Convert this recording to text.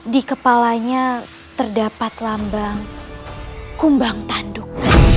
di kepalanya terdapat lambang kumbang tanduk